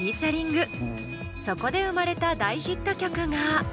そこで生まれた大ヒット曲が。